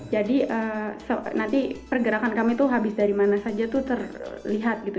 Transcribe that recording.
jadi nanti pergerakan kami tuh habis dari mana saja tuh terlihat gitu